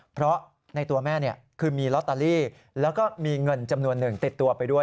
เพราะในตัวแม่คือมีลอตเตอรี่แล้วก็มีเงินจำนวนหนึ่งติดตัวไปด้วย